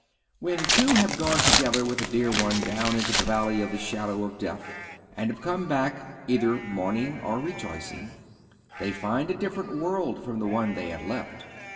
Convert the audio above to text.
When two have gone together with a dear one down into the Valley of the Shadow of Death, and have come back, either mourning or rejoicing, they find a different world from the one they had left.